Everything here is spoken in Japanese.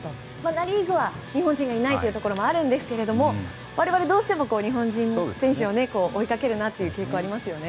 ナ・リーグは日本人がいないということもあるんですが我々はどうしても日本人選手を追いかける傾向がありますよね。